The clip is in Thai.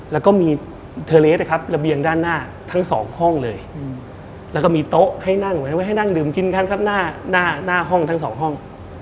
แล้วก็มีเทอร์เลสนะครับระเบียงด้านหน้าทั้งสองห้องเลยแล้วก็มีโต๊ะให้นั่งไว้ให้นั่งดื่มกินกันครับหน้าห้องทั้งสองห้อง